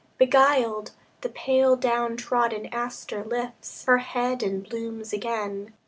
Beguiled, the pale down trodden aster lifts Her head and blooms again.